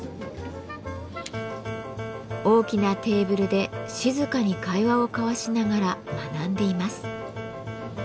大きなテーブルで静かに会話を交わしながら学んでいます。